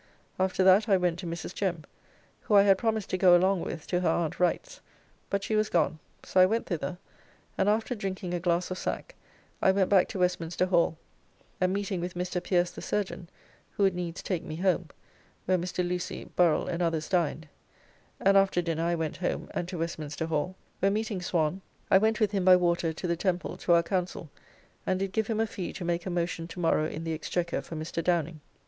After that I went to Mrs. Jem, who I had promised to go along with to her Aunt Wright's, but she was gone, so I went thither, and after drinking a glass of sack I went back to Westminster Hall, and meeting with Mr. Pierce the surgeon, who would needs take me home, where Mr. Lucy, Burrell, and others dined, and after dinner I went home and to Westminster Hall, where meeting Swan I went with him by water to the Temple to our Counsel, and did give him a fee to make a motion to morrow in the Exchequer for Mr. Downing.